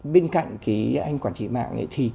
bên cạnh anh quản trị mạng